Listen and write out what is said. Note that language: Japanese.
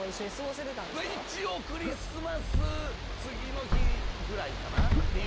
一応クリスマス次の日ぐらいかなっていう。